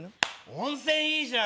温泉いいじゃん